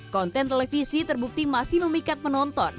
konten televisi terbukti masih memikat penonton